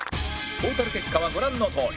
トータル結果はご覧のとおり